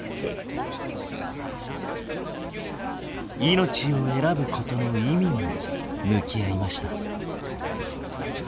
命を選ぶことの意味に向き合いました。